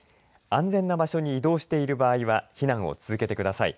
安全な場所に移動している場合は避難を続けてください。